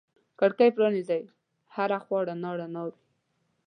کړکۍ پرانیزې هر خوا رڼا رڼا وي